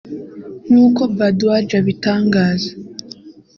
nk’uko Bhardwaj abitangaza